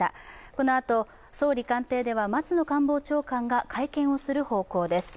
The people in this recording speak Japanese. このあと総理官邸では松野官房長官が会見をする方向です。